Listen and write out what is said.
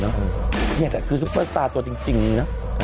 นี่แหละคือซุปเปอร์สตาร์ตัวจริงนะ